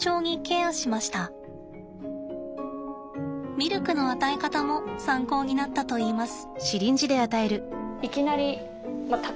ミルクの与え方も参考になったといいます。